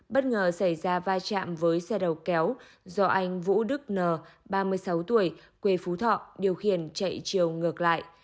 bất ngờ xảy ra vai trạm với xe đầu kéo do anh vũ đức n ba mươi sáu tuổi quê phú thọ điều khiển chạy chiều ngược lại